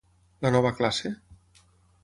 La nova classe?